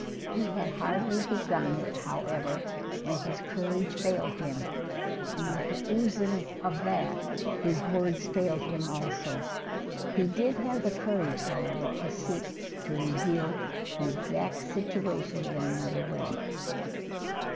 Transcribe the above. He had hardly begun it, however, when his courage failed him, and with the oozing of that his words failed him also. He did have the courage, however, to seek to reveal the exact situation in another way.